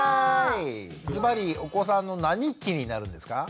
ズバリお子さんの何期になるんですか？